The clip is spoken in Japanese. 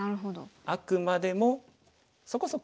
あくまでもそこそこ。